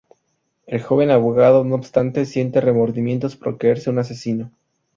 El joven abogado, no obstante, siente remordimientos por creerse un asesino.